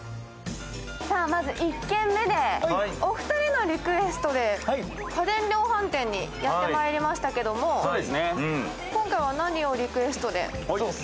まず１軒目でお二人のリクエストで家電量販店にやってまいりましたけれども今回は何をリクエストで？